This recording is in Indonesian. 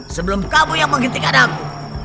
sebelum kamu yang menghentikan aku